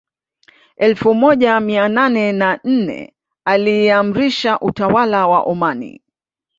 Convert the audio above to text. Elfu moja mia nane na nne aliimarisha utawala wa Omani